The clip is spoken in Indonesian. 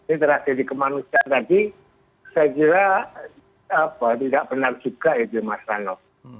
ini terjadi kemanusiaan tadi saya kira tidak benar juga edy masrano